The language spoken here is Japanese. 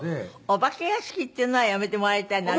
お化け屋敷っていうのはやめてもらいたいな。